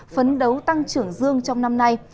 phấn đấu tăng trưởng dương trong năm nay